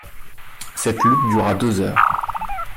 Cette lutte dura deux heures.